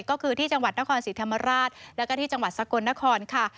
ก็คือที่จังหวัดนครศรีธรรมราชแล้วก็ที่จังหวัดสกลนครค่ะ